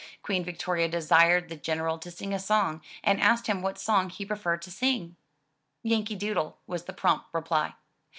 Queen Victoria desired the General to sing a song, and asked him what song he preferred to sing. "Yankee Doodle," was the prompt reply.